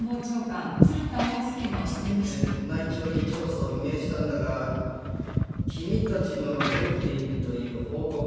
そんな思いで内調に調査を命じたんだが君たちも動いているという報告を受けてね。